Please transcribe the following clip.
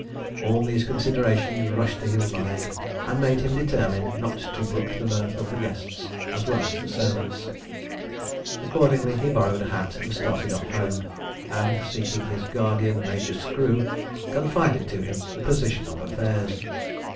All these considerations rushed to his mind, and made him determine not to brook the mirth of the guests as well as the servants. Accordingly he borrowed a hat and started off home, and seeking his guardian, Major Screw, confided to him the position of affairs.